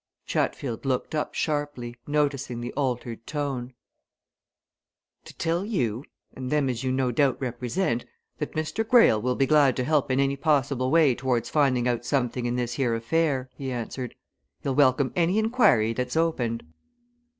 Chatfield looked up sharply, noticing the altered tone. "To tell you and them as you no doubt represent that Mr. Greyle will be glad to help in any possible way towards finding out something in this here affair," he answered. "He'll welcome any inquiry that's opened."